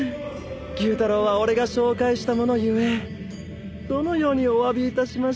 妓夫太郎は俺が紹介した者故どのようにおわびいたしましょう。